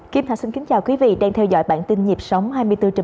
kim thạch xin kính chào quý vị đang theo dõi bản tin nhịp sóng hai mươi bốn h bảy